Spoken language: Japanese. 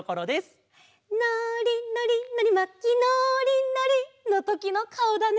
「のーりのりのりまきのーりのり」のときのかおだね！